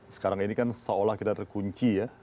sekarang ini kan seolah kita terkunci ya